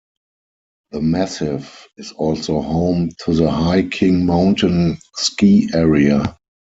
The massif is also home to the High King Mountain Ski Area.